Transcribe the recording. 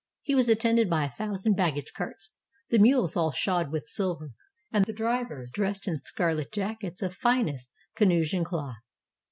He was attended by a thousand baggage carts, the mules all shod with silver, and the drivers dressed in scarlet jackets of finest Canusian cloth.